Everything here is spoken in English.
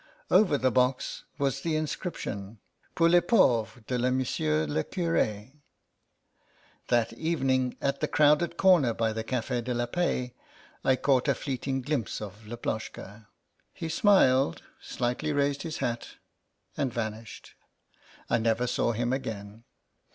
Over the box was the inscription, Pour les pauvres de M. le Curd" That evening, at the crowded corner by the Cafd de la Paix, I caught a fleeting glimpse of Laploshka. He smiled, slightly raised his hat, and vanished. I never saw him again.